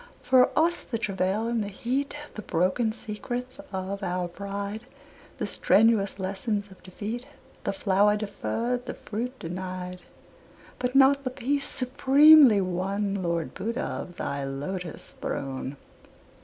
For us the travail and the heat, The broken secrets of our pride, The strenuous lessons of defeat, The flower deferred, the fruit denied; But not the peace, supremely won, Lord Buddha, of thy Lotus throne.